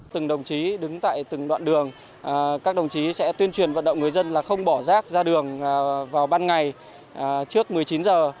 từng đồng chí đứng tại từng đoạn đường các đồng chí sẽ tuyên truyền vận động người dân là không bỏ rác ra đường vào ban ngày trước một mươi chín giờ